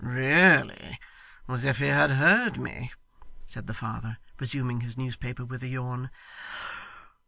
'Really, as if he had heard me,' said the father, resuming his newspaper with a yawn.